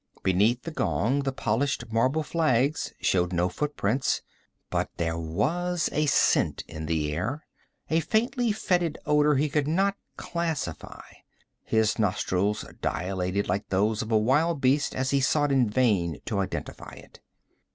Beneath the gong the polished marble flags showed no footprints, but there was a scent in the air a faintly fetid odor he could not classify; his nostrils dilated like those of a wild beast as he sought in vain to identify it.